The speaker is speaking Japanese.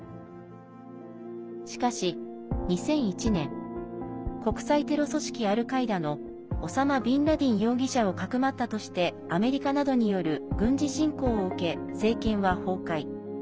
しかし、２００１年国際テロ組織アルカイダのオサマ・ビン・ラディン容疑者をかくまったとしてアメリカなどによる軍事侵攻を受け、政権は崩壊。